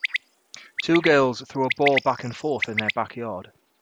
Two girls throw a ball back and forth in their backyard.